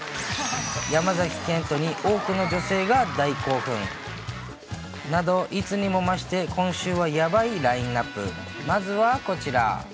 山崎賢人に多くの女性が大興奮。など、いつにも増して今週はやばいラインナップ。